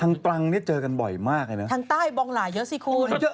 ทางตรางเจอกันบ่อยมากทางใต้บองหลายเยอะสิคุณ